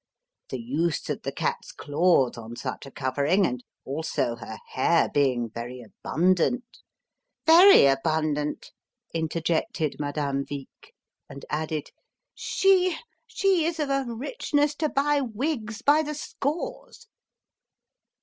The use of the cat's claws on such a covering, and, also, her hair being very abundant " "Very abundant!" interjected Madame Vic; and added: "She, she is of a richness to buy wigs by the scores!"